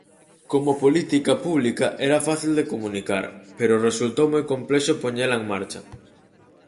Como política pública era fácil de comunicar, pero resultou moi complexo poñela en marcha.